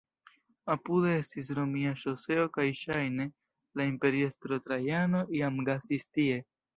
Apude estis romia ŝoseo kaj ŝajne la imperiestro Trajano iam gastis tie.